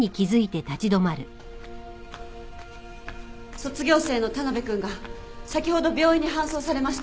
卒業生の田辺君が先ほど病院に搬送されました。